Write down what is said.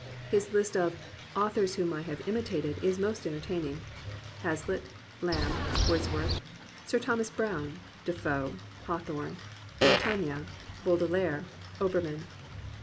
His list of "authors whom I have imitated" is most entertaining: Hazlitt, Lamb, Wordsworth, Sir Thomas Browne, Defoe, Hawthorne, Montaigne, Baudelaire, Obermann.